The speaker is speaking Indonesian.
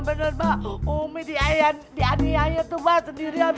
bener bener mak umi diayat ayat tuh mak sendirian